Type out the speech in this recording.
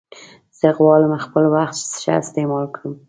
زه غواړم خپل وخت ښه استعمال کړم.